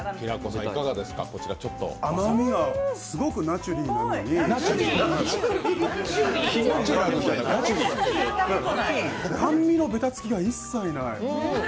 甘みがすごくナチュリーなのに甘味のベタつきが一切ない。